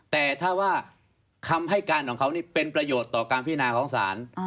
แต่ถ้าว่าคำให้การของเขานี่เป็นประโยชน์ต่อการพินาของศาล